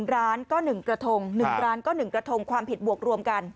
ร้านก็๑กระทง๑ร้านก็๑กระทงความผิดบวกรวมกัน